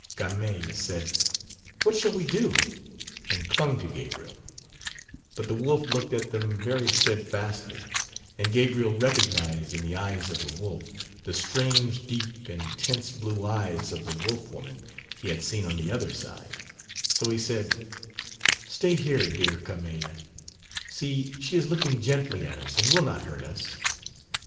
Carmeille said, "What shall we do," and clung to Gabriel, but the wolf looked at them very steadfastly and Gabriel recognized in the eyes of the wolf the strange deep intense blue eyes of the wolf woman he had seen on the "other side," so he said, "Stay here, dear Carmeille, see she is looking gently at us and will not hurt us."